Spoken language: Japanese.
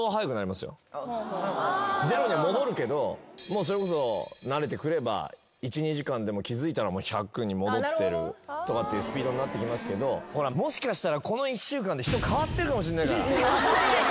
ゼロには戻るけどそれこそ慣れてくれば１２時間で気付いたら１００に戻ってるとかっていうスピードになってきますけどもしかしたらこの１週間で。